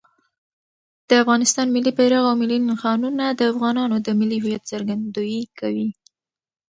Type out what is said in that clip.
د افغانستان ملي بیرغ او ملي نښانونه د افغانانو د ملي هویت څرګندویي کوي.